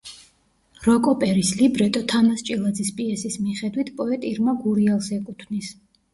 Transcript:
როკ-ოპერის ლიბრეტო თამაზ ჭილაძის პიესის მიხედვით პოეტ ირმა გურიელს ეკუთვნის.